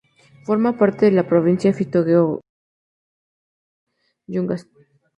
Forma parte de la provincia fitogeográfica de las yungas.